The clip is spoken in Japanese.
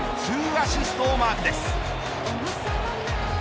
２アシストをマークです。